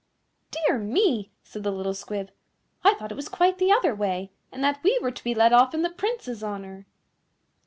"Dear me!" said the little Squib, "I thought it was quite the other way, and that we were to be let off in the Prince's honour."